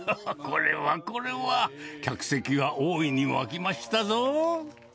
これはこれは、客席は大いに沸きましたぞ。